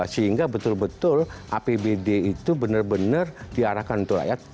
sehingga betul betul apbd itu benar benar diarahkan untuk rakyat